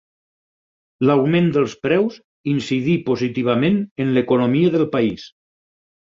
L'augment dels preus incidí positivament en l'economia del país.